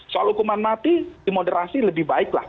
soal hukuman mati dimoderasi lebih baik lah